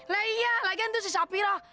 lah iya lagian tuh si sapiro